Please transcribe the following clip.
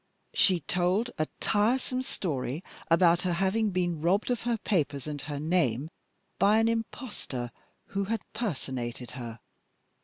She told a tiresome story about her having been robbed of her papers and her name by an impostor who had personated her.